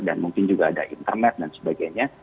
dan mungkin juga ada internet dan sebagainya